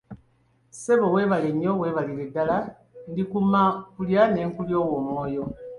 Ssebo weebale nnyo weebalire ddala, ndikumma okulya ne nkulyowa omwoyo!